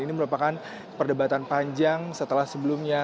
ini merupakan perdebatan panjang setelah sebelumnya